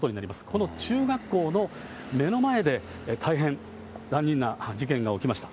この中学校の目の前で、大変残忍な事件が起きました。